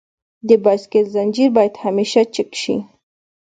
د بایسکل زنجیر باید همیشه چک شي.